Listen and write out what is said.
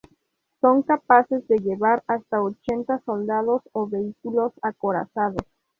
Son capaces de llevar hasta ochenta soldados o vehículos acorazados.